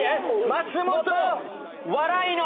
松本笑いの。